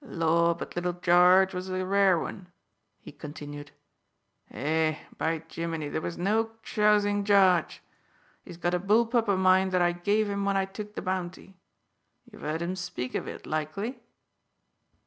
"Lor, but little Jarge was a rare un!" he continued. "Eh, by Jimini, there was no chousing Jarge. He's got a bull pup o' mine that I gave him when I took the bounty. You've heard him speak of it, likely?"